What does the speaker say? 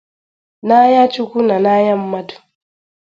N'anya Chukwu na n'anya mmadụ